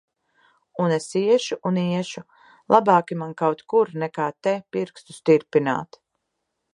Un es iešu un iešu! Labāki man kaut kur, nekā te, pirkstus tirpināt.